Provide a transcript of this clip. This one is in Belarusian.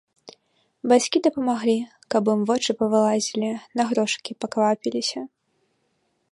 Бацькі дапамаглі, каб ім вочы павылазілі, на грошыкі паквапіліся.